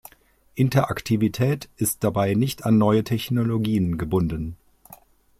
Interaktivität ist dabei nicht an neue Technologien gebunden.